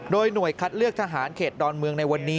โดยหน่วยคัดเลือกทหารเขตดอนเมืองในวันนี้